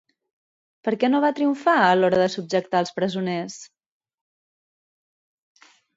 Per què no va triomfar a l'hora de subjectar els presoners?